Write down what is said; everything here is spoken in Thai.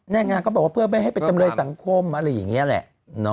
นางงามก็บอกว่าเพื่อไม่ให้เป็นจำเลยสังคมอะไรอย่างนี้แหละ